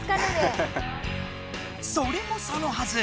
それもそのはず！